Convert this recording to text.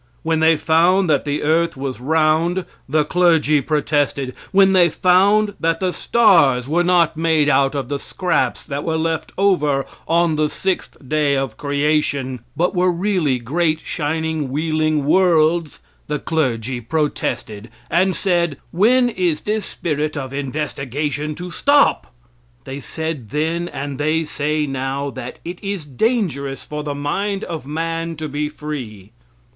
When they found that the earth was round, the clergy protested; when they found that the stars were not made out of the scraps that were left over on the sixth day of creation, but were really great, shining, wheeling worlds, the clergy protested and said: "When is this spirit of investigation to stop?" They said then, and they say now, that it is dangerous for the mind of man to be free.